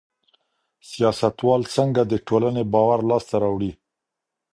سياستوال څنګه د ټولني باور لاسته راوړي؟